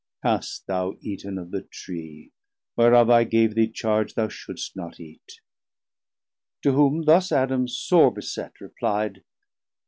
hast thou eaten of the Tree Whereof I gave thee charge thou shouldst not eat? To whom thus Adam sore beset repli'd.